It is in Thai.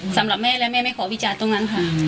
สำหรับแม่และแม่ไม่ขอวิจารณ์ตรงนั้นค่ะ